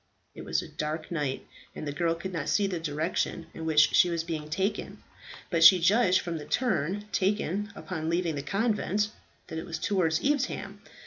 It was a dark night, and the girl could not see the direction in which she was being taken; but she judged from the turn taken upon leaving the convent, that it was towards Evesham.